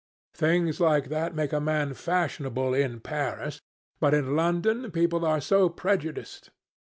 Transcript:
Things like that make a man fashionable in Paris. But in London people are so prejudiced.